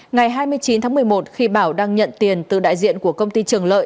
ngày hai mươi chín tháng một mươi một khi bảo đang nhận tiền từ đại diện của công ty trường lợi